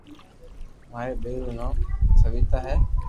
ماري ٻئير رو نوم سويتا ھو